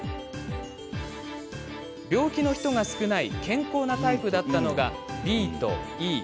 病気の人が少ない健康なタイプだったのがＢとＥ。